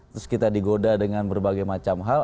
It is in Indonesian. terus kita digoda dengan berbagai macam hal